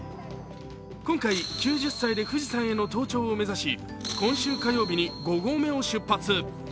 今回、９０歳で富士山への登頂を目指し今週火曜日に５合目を出発。